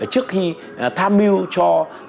trước khi tham mưu cho